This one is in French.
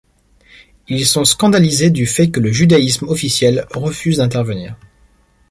Ils sont scandalisés du fait que le judaïsme officiel refuse d'intervenir.